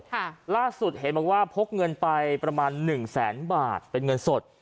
ตอนนี้ล่าสุดเห็นบางคนว่าพกเงินไปประมาณ๑แสนบาทเป็นเงินสด